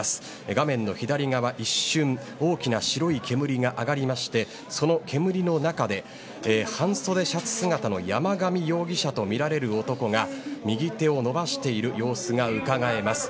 画面の左側、一瞬大きな白い煙が上がりましてその煙の中で、半そでシャツ姿の山上容疑者とみられる男が右手を伸ばしている様子がうかがえます。